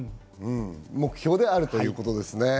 目標であるということですね。